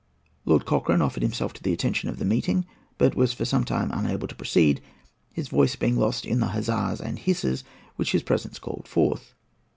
Lord Cochrane offered himself to the attention of the meeting, but was for some time unable to proceed, his voice being lost in the huzzas and hisses which his presence called forth.